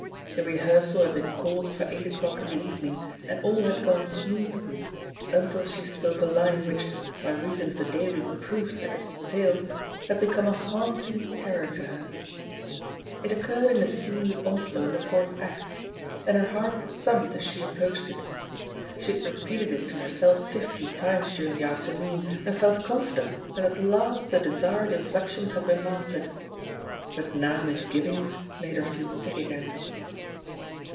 The rehearsal had been called for eight o'clock in the evening, and all had gone smoothly until she spoke a line which, by reason of the daily reproofs that it entailed, had become a haunting terror to her. It occurred in a scene with On slow in the fourth act, and her heart thumped as THE POSITION OF PEGGY HARPER «6I sHe approached it. She had repeated it to her self fifty times during the afternoon and felt con fident that at last the desired inflexions had been mastered ; but now misgivings made her feel sick again.